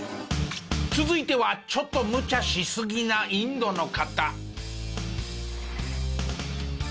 続いてはちょっとむちゃしすぎなインドの方。